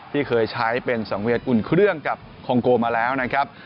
ที่เคยใช้เป็นสังเวียนอุ่นเครื่องกับคองโกมาแล้วนะครับ